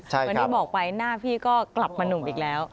อย่างที่บอกไปหน้าพี่ก็กลับมาหนุ่มอีกแล้ว